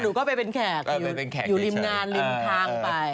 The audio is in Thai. หนูก็ไปเป็นแขกอยู่ริมงานริมทางไป